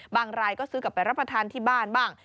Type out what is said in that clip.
รายก็ซื้อกลับไปรับประทานที่บ้านบ้าง